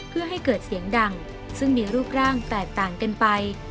เพื่อให้เกิดเสียงดังซึ่งมีรูปร่างแตกต่างกันไป